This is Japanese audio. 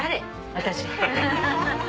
私。